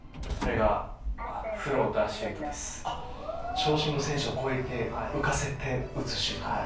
長身の選手を越えて浮かせて打つシュート。